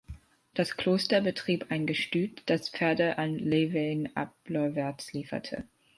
Das Kloster betrieb ein Gestüt, das Pferde an Llywelyn ap Iorwerth lieferte.